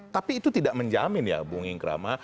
tapi itu tidak menjamin ya bung ingkrama